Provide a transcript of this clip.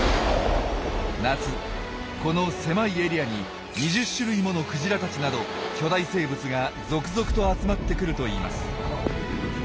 夏この狭いエリアに２０種類ものクジラたちなど巨大生物が続々と集まってくるといいます。